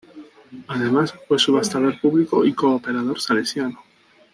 Además, fue subastador público y cooperador salesiano.